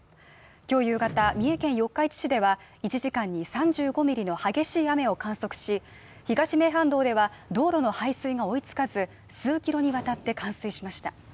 きょう夕方三重県四日市市では１時間に３５ミリの激しい雨を観測し東名阪道では道路の排水が追いつかず数キロにわたって冠水しました